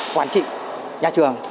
quản trị nhà trường